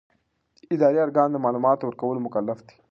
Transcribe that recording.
اداري ارګان د معلوماتو ورکولو مکلف دی.